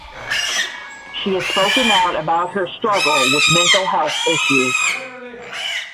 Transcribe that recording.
She has spoken out about her struggle with mental health issues.